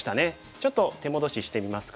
ちょっと手戻ししてみますかね。